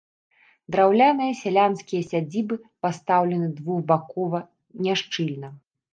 Драўляныя сялянскія сядзібы пастаўлены двухбакова, няшчыльна.